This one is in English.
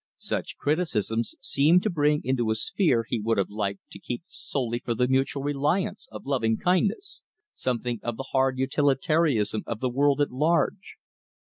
Such criticisms seemed to bring into a sphere he would have liked to keep solely for the mutual reliance of loving kindness, something of the hard utilitarianism of the world at large.